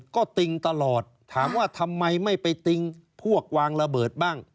ก็ติ้งตลอดถามว่าทำไมไม่ไปติ้งพวกวางระเบิดบ้าง